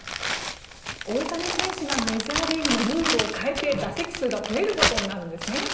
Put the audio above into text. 大谷選手がメジャーリーグのルールを変えて打席数が増えることになるんですね。